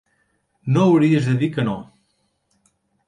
No hauries de dir que no.